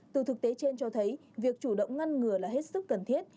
từ thực tế trên cho thấy việc chủ động ngăn ngừa là hết sức cần thiết